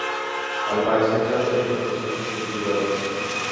Al parecer cada templo poseía sus propios gatos.